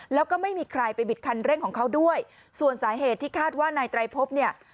แล้วก็ไม่มีใครไปบิดคันเร่งของเขาด้วยส่วนสาเหตุที่คาดว่านายไตรพบเนี่ย